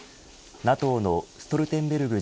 ＮＡＴＯのストルテンベルグ